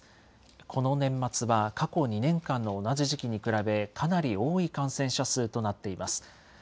この年末は過去２年間の同じ時期に比べ、かなり多い感染者数となっています。